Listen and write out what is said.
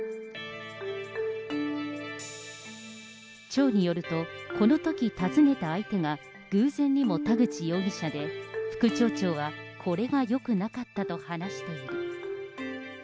町によると、このとき尋ねた相手が偶然にも田口容疑者で、副町長はこれがよくなかったと話している。